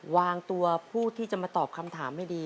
วางตัวผู้ที่จะมาตอบคำถามให้ดี